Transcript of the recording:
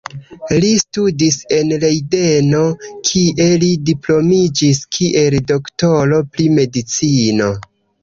Li studis en Lejdeno kie li diplomiĝis kiel doktoro pri medicino.